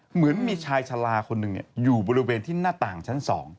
เหมือนมีชายชะลาคนหนึ่งอยู่บริเวณที่หน้าต่างชั้น๒